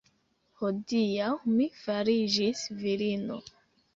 Hodiaŭ mi fariĝis virino!